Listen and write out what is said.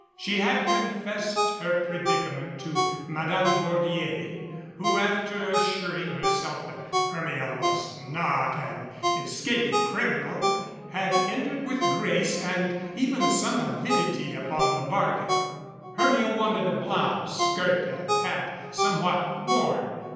She had confessed her predicament to Madame Bordier, who, after assuring herself that Hermia was not an escaping criminal, had entered with grace and even some avidity upon the bargain. Hermia wanted a blouse, skirt and hat somewhat worn.